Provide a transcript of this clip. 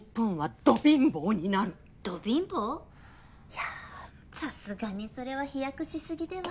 いやさすがにそれは飛躍し過ぎでは。